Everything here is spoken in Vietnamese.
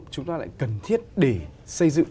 chúng ta lại cần thiết để xây dựng